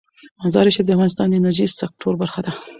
مزارشریف د افغانستان د انرژۍ سکتور برخه ده.